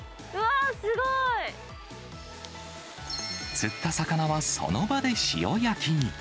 釣った魚はその場で塩焼きに。